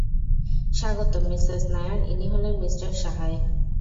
স্বাগতম মিসেস নায়ার, ইনি হলেন মিস্টার সাহায়।